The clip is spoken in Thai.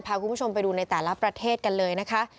พาคุณผู้ชมไปดูในแต่ละประเทศกันเลยนะคะ